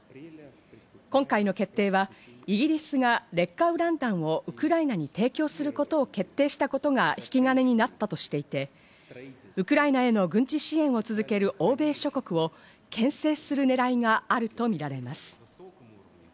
今回の決定はイギリスが劣化ウラン弾をウクライナに提供することを決定したことが引き金となったとしていて、ウクライナへの軍事支援を続ける欧米諸国を牽制するねらいがあるとみられます。